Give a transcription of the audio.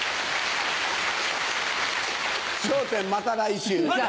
『笑点』また来週。